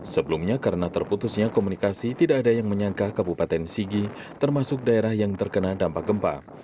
sebelumnya karena terputusnya komunikasi tidak ada yang menyangka kabupaten sigi termasuk daerah yang terkena dampak gempa